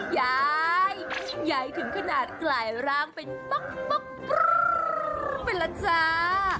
ยายยายถึงขนาดกลายร่างเป็นป๊อกไปแล้วจ้า